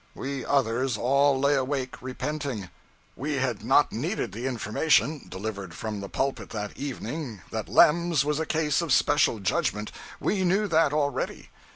We others all lay awake, repenting. We had not needed the information, delivered from the pulpit that evening, that Lem's was a case of special judgment we knew that, already.